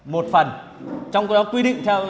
một phần trong cái đó quy định theo